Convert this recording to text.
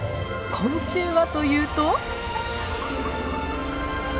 昆虫はというと？